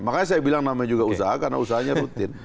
makanya saya bilang namanya juga usaha karena usahanya rutin